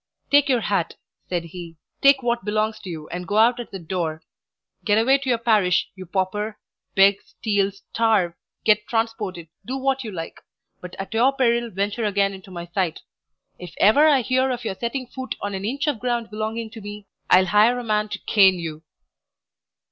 "Take your hat," said he. "Take what belongs to you, and go out at that door; get away to your parish, you pauper: beg, steal, starve, get transported, do what you like; but at your peril venture again into my sight! If ever I hear of your setting foot on an inch of ground belonging to me, I'll hire a man to cane you."